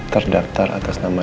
terdaftar atas nama